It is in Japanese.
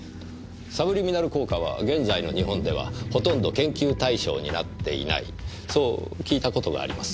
サブリミナル効果は現在の日本ではほとんど研究対象になっていないそう聞いたことがあります。